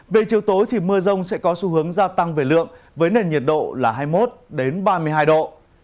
về chiều tối thì mưa rông sẽ có xu hướng gia tăng về lượng với nền nhiệt độ là hai mươi một ba mươi hai độ